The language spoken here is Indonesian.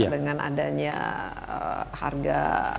dengan adanya harga